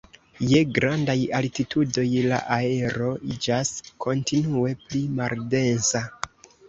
Je grandaj altitudoj la aero iĝas kontinue pli maldensa.